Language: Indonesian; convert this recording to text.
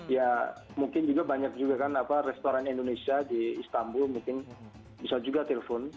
ya mungkin juga banyak juga kan restoran indonesia di istanbul mungkin bisa juga telepon